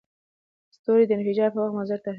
ستوري د انفجار پر وخت مضر تشعشع خپروي.